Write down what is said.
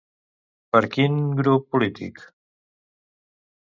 Per quin grup polític?